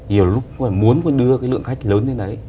nhiều lúc muốn đưa cái lượng khách lớn thế đấy